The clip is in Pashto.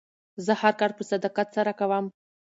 زه هر کار په صداقت سره کوم.